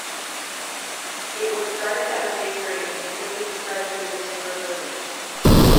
It was started at a bakery, and quickly spread through the timber buildings.